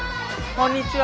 こんにちは。